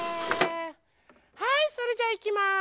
はいそれじゃいきます。